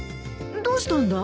どうしたんだ？